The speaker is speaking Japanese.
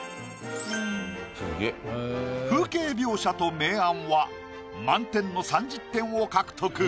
風景描写と明暗は満点の３０点を獲得。